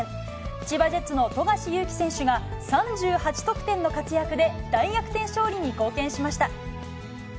千葉ジェッツの富樫勇樹選手が、３８得点の活躍で大逆転勝利に貢献しました。